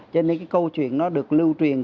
cho nên cái câu chuyện nó được lưu truyền